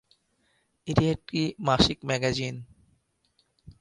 এটি একটি মাসিক ম্যাগাজিন।